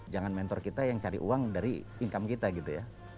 jangan mentor kita yang cari uang dari income kita gitu ya